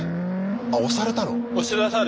あっ押されたの？